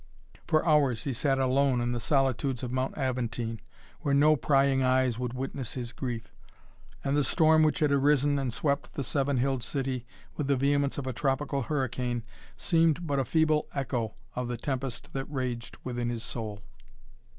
For hours he sat alone in the solitudes of Mount Aventine, where no prying eyes would witness his grief. And the storm which had arisen and swept the Seven Hilled City with the vehemence of a tropical hurricane seemed but a feeble echo of the tempest that raged within his soul.